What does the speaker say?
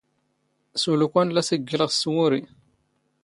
ⵙⵓⵍ ⵓⴽⴰⵏ ⵍⴰ ⵙⵉⴳⴳⵉⵍⵖ ⵙ ⵜⵡⵓⵔⵉ.